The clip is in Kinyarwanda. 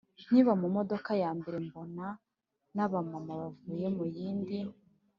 Nkiva mu modoka ya mbere mbona na ba mama bavuye mu yindi